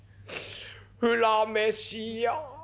「恨めしや。